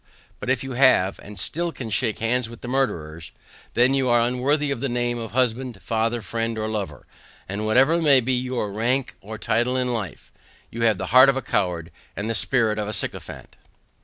But if you have, and still can shake hands with the murderers, then you are unworthy of the name of husband, father, friend, or lover, and whatever may be your rank or title in life, you have the heart of a coward, and the spirit of a sycophant.